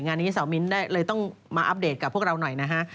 งานนี้สาวมิ้นได้เลยต้องมาอัปเดตกับพวกเราหน่อยนะฮะ